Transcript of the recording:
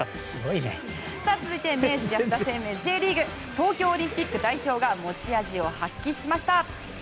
続いて、明治安田生命Ｊリーグ。東京オリンピック代表が持ち味を発揮しました。